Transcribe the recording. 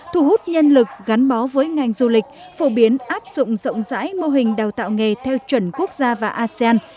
thu hút nhân lực gắn bó với ngành du lịch phổ biến áp dụng rộng rãi mô hình đào tạo nghề theo chuẩn quốc gia và asean